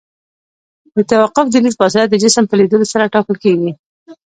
د توقف د لید فاصله د جسم په لیدلو سره ټاکل کیږي